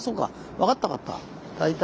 分かった分かった大体。